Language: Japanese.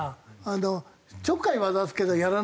ちょっかいは出すけどやらない。